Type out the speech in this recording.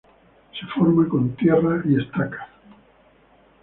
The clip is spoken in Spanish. Se forma con tierra y estacas.